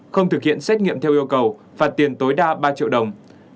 không thực hiện xét nghiệm theo yêu cầu phạt tiền tối đa ba triệu đồng